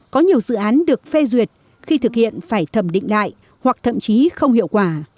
có nhiều dự án được phê duyệt khi thực hiện phải thẩm định lại hoặc thậm chí không hiệu quả